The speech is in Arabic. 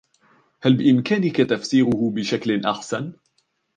هل بإمكانك تفسيره بشكل أحسن ؟